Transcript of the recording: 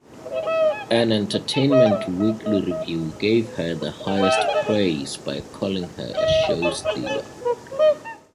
An "Entertainment Weekly" review gave her the highest praise by calling her a show-stealer.